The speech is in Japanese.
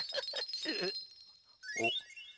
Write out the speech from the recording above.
おっ！